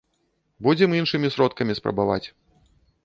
Будзем іншымі сродкамі спрабаваць.